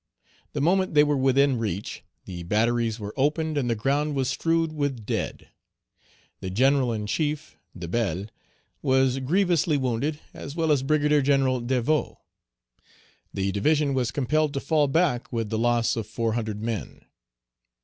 The moment they were within reach, the batteries were opened and the ground was strewed with dead. The General in chief, Debelle, was grievously wounded, as well as Brigadier General Devaux. The division was compelled to fall back with the loss of four hundred men.